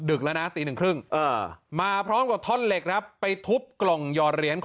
เดินมานี่นี่